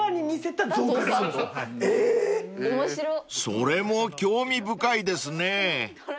［それも興味深いですね］